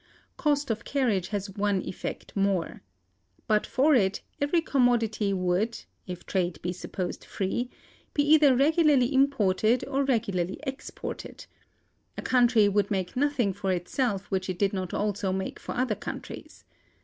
Cost of carriage has one effect more. But for it, every commodity would (if trade be supposed free) be either regularly imported or regularly exported. A country would make nothing for itself which it did not also make for other countries.